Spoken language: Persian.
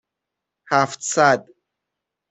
هفتصد